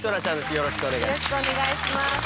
よろしくお願いします。